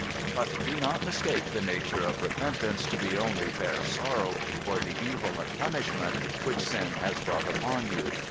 "But do not mistake the nature of repentance to be only bare sorrow for the evil and punishment which sin has brought upon you.